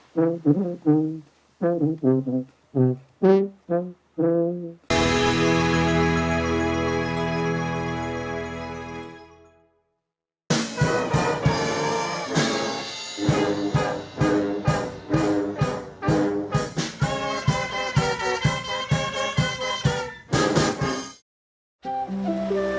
sampai jumpa di video selanjutnya